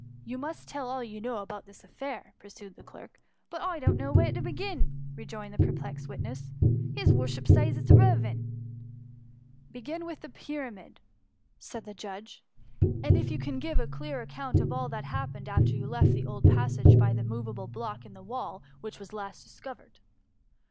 ^* You must tell all you know about this affair," pursued the clerk. But I doesn't know where to begin P re« joined the perplexed witness ;^' his worship says it is not reverent." Begin with the Pyramid," said the judge ;^* and, if you can, give a clear account of all S86 THE MUUMY. that happened after you left the old passage by the moveable block in the wall which was last discovered."